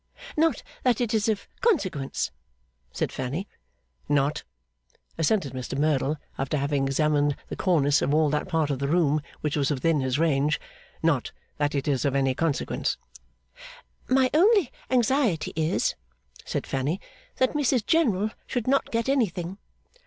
'Not that it is of consequence,' said Fanny. 'Not,' assented Mr Merdle, after having examined the cornice of all that part of the room which was within his range: 'not that it is of any consequence.' 'My only anxiety is,' said Fanny, 'that Mrs General should not get anything.